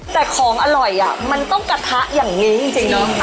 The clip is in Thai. แต่ของอร่อยมันต้องกระทะอย่างนี้จริงเนอะ